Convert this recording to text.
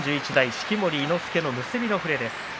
式守伊之助の結びの触れです。